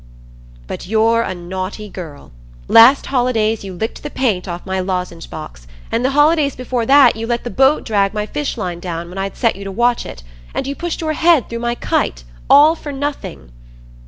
"But you're a naughty girl. Last holidays you licked the paint off my lozenge box, and the holidays before that you let the boat drag my fish line down when I'd set you to watch it, and you pushed your head through my kite, all for nothing."